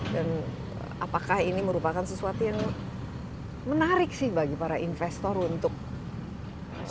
dan apakah ini merupakan sesuatu yang menarik bagi para investor untuk investasi